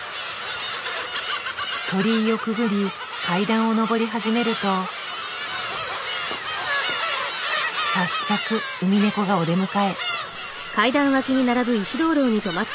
鳥居をくぐり階段を上り始めると早速ウミネコがお出迎え。